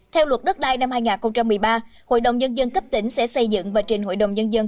theo luật đất đai năm hai nghìn một mươi ba hội đồng nhân dân cấp tỉnh sẽ xây dựng và trình hội đồng nhân dân